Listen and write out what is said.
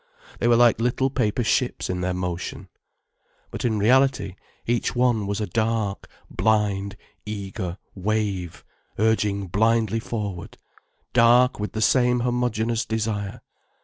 They were like little paper ships in their motion. But in reality each one was a dark, blind, eager wave urging blindly forward, dark with the same homogeneous desire.